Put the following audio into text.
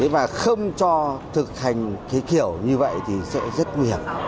và không cho thực hành cái kiểu như vậy thì sẽ rất nguy hiểm